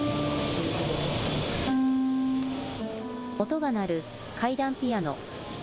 音が鳴る階段ピアノ。